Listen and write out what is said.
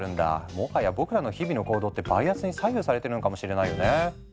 もはや僕らの日々の行動ってバイアスに左右されてるのかもしれないよね。